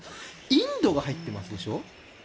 インドが入っていますでしょ？